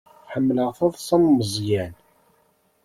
Ḥemmleɣ taḍsa n Meẓyan.